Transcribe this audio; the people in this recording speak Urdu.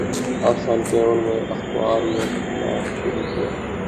آٹھ سال کی عمر میں اخبار میں لکھنا شروع کیا